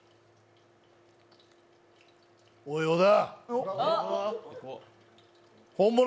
おい、小田！